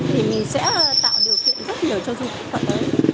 thì mình sẽ tạo điều kiện rất nhiều cho du khách họ tới